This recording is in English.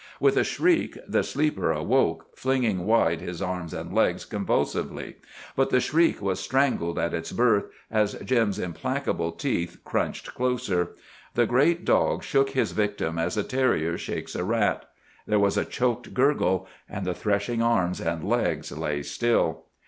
With a shriek the sleeper awoke, flinging wide his arms and legs convulsively. But the shriek was strangled at its birth, as Jim's implacable teeth crunched closer. The great dog shook his victim as a terrier shakes a rat. There was a choked gurgle, and the threshing arms and legs lay still.